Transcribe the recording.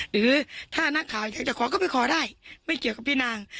หรือถ้านักข่าวอยากจะขอก็ไปขอได้ไม่เกี่ยวกับพี่นาง